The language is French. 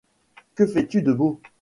Que fais-tu de beau ?